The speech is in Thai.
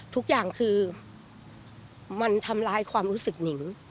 ทุกอย่างคือมันทำลายความรู้สึกหนิง